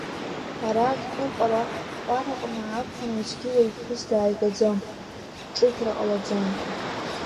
Ара Ахьтәы-Ҟәараҟны аԥхын усгьы уаҩ ԥҳәыс дааигаӡом, гәҿыӷьра ҟалаӡом.